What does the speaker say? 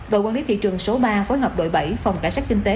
đội quản lý thị trường số ba phối hợp đội bảy phòng cảnh sát kinh tế